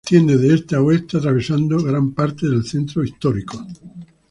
Se extiende de este a oeste atravesando gran parte del centro histórico.